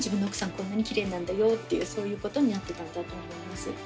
こんなにキレイなんだよっていうそういうことになってたんだと思います。